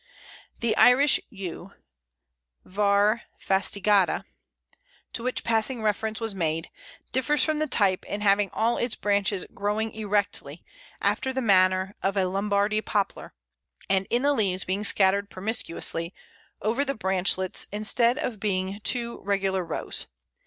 The Irish Yew (var. fastigiata), to which passing reference was made, differs from the type in having all its branches growing erectly, after the manner of a Lombardy Poplar, and in the leaves being scattered promiscuously over the branchlets instead of being in two regular rows.